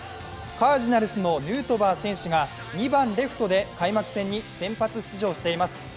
カージナルスのヌートバー選手が２番・レフトで開幕戦に先発出場しています。